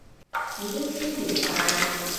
已經簽完晒